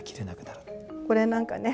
これなんかね